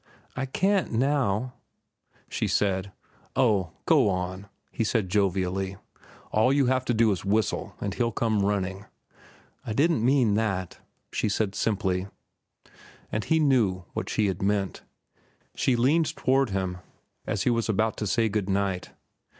"I can't—now," she said. "Oh, go on," he said jovially. "All you have to do is whistle and he'll come running." "I didn't mean that," she said simply. And he knew what she had meant. She leaned toward him as he was about to say good night.